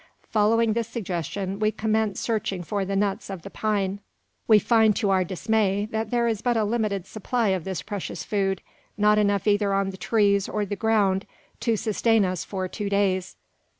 Following this suggestion, we commence searching for the nuts of the pine. We find to our dismay that there is but a limited supply of this precious food; not enough either on the trees or the ground to sustain us for two days.